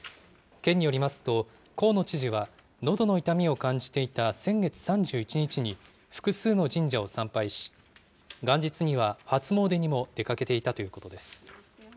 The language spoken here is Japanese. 県によりますと、河野知事はのどの痛みを感じていた先月３１日に、複数の神社を参拝し、元日には初詣にも出かけていたということです。